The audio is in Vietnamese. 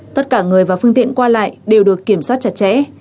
tất cả người và phương tiện qua lại đều được kiểm soát chặt chẽ